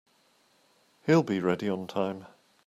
He'll be ready on time.